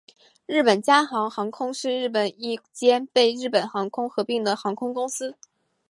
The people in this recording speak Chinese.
日本佳速航空是日本一间被日本航空合并的航空公司。